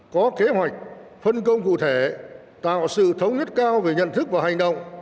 có kế hoạch phân công cụ thể tạo sự thống nhất cao về nhận thức và hành động